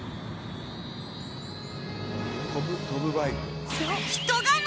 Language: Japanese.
飛ぶ飛ぶバイク。